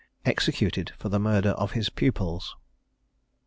EXECUTED FOR THE MURDER OF HIS PUPILS.